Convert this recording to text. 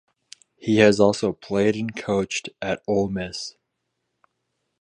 He has also played and coached at Ole Miss.